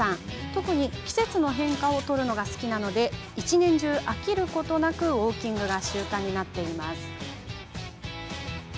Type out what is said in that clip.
特に季節の変化を撮るのが好きなので一年中、飽きることなくウォーキングが習慣になっています。